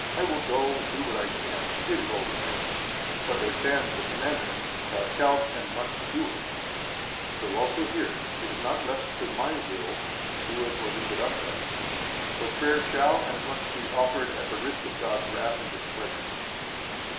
I will go and do what I can; it is all the same;" but there stands the commandment, Thou shalt and must do it, so also here it is not left to my will to do it or leave it undone, but prayer shall and must be offered at the risk of God's wrath and displeasure.